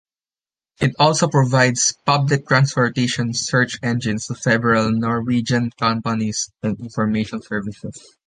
It also provides public transportation search engines to several Norwegian companies and information services.